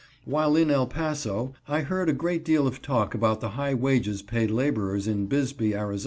While in El Paso I heard a great deal of talk about the high wages paid laborers in Bisbee, Ariz.